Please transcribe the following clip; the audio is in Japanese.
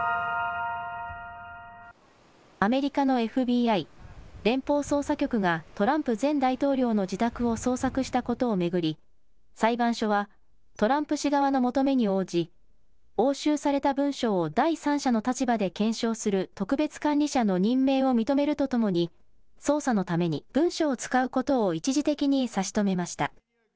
アメリカのＦＢＩ・連邦捜査局が、トランプ前大統領の自宅を捜索したことを巡り、裁判所は、トランプ氏側の求めに応じ、押収された文書を第三者の立場で検証する特別管理者の任命を認めるとともに、捜査のために文書を使うことを一時的に差し止めました。